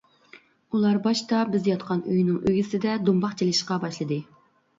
ئۇلار باشتا بىز ياتقان ئۆينىڭ ئۆگزىسىدە دۇمباق چېلىشقا باشلىدى.